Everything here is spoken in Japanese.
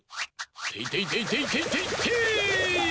ていていていていていてい！